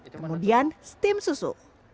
kemudian steam susu